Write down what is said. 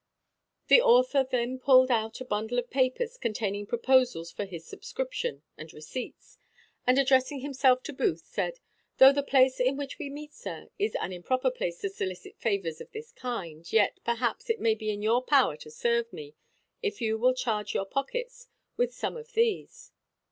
The author then pulled out a bundle of papers containing proposals for his subscription, and receipts; and, addressing himself to Booth, said, "Though the place in which we meet, sir, is an improper place to solicit favours of this kind, yet, perhaps, it may be in your power to serve me if you will charge your pockets with some of these."